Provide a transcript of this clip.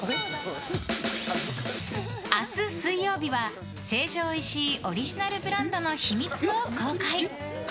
明日水曜日は、成城石井オリジナルブランドの秘密を公開。